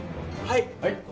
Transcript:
はい！